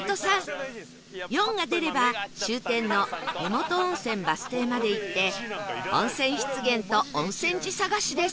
「４」が出れば終点の湯元温泉バス停まで行って温泉湿原と温泉寺探しです